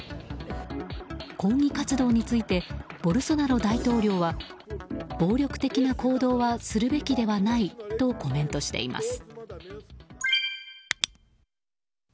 抗議活動についてボルソナロ大統領は暴力的な行動はするべきではないとコメントしています。